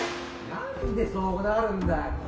・・何でそうなるんだよ